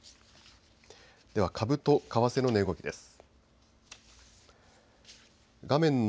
では株と為替の値動きです。